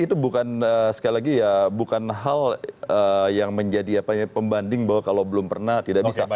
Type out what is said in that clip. itu bukan sekali lagi ya bukan hal yang menjadi pembanding bahwa kalau belum pernah tidak bisa